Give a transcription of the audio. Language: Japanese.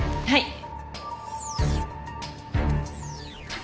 はい。